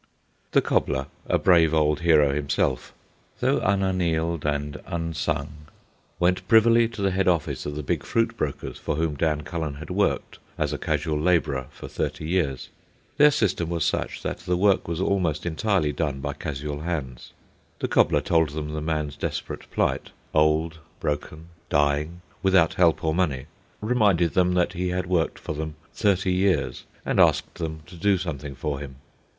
The cobbler, a brave old hero himself, though unannaled and unsung, went privily to the head office of the big fruit brokers for whom Dan Cullen had worked as a casual labourer for thirty years. Their system was such that the work was almost entirely done by casual hands. The cobbler told them the man's desperate plight, old, broken, dying, without help or money, reminded them that he had worked for them thirty years, and asked them to do something for him.